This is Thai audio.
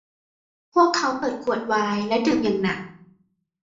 พวกเขาเปิดขวดไวน์และดื่มอย่างหนัก